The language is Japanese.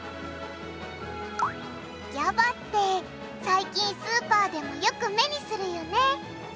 ＧＡＢＡって最近スーパーでもよく目にするよね。